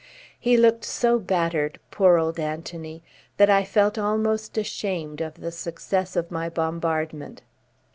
He looked so battered, poor old Anthony, that I felt almost ashamed of the success of my bombardment.